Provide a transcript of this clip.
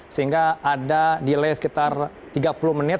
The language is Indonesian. sehingga ada delay sekitar tiga puluh menit